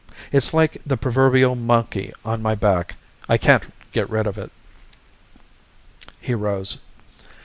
It's like the proverbial monkey on my back. I can't get rid of it." He rose.